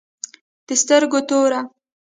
د سترگو توره